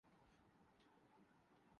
shooting مکمل ہوچکی ہے